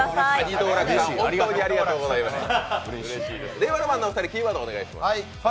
令和ロマンのお二人、キーワードお願いします。